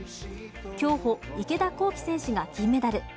競歩、池田向希選手が銀メダル。